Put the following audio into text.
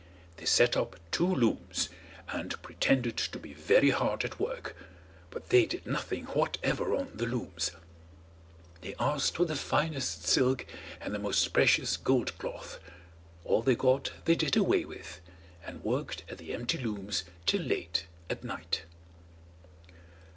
They set up two looms, and pretended to be very hard at work, but they did nothing whatever on the looms. They asked for the finest silk and the most precious gold cloth; all they got they did away with, and worked at the empty looms till late at night.